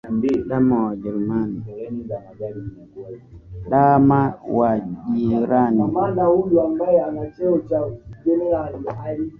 Dama wa jirani.